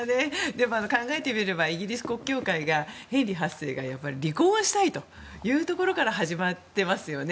でも考えてみればイギリス国教会ってヘンリー８世が離婚をしたいというところから始まってますよね。